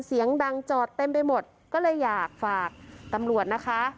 เสียงดังจอดเต็มไปหมดก็เลยอยากฝากตำรวจนะคะ